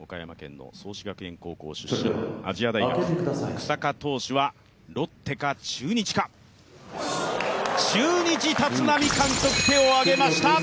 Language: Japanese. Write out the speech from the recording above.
岡山県の創志学園大学出身、亜細亜大学、草加投手はロッテか中日か、中日、立浪監督、手を挙げました！